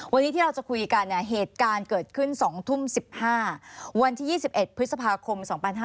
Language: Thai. วันนี้ที่เราจะคุยกันเนี่ยเหตุการณ์เกิดขึ้น๒ทุ่ม๑๕วันที่๒๑พฤษภาคม๒๕๕๙